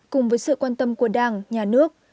cùng với sự quan tâm của đảng nhà nước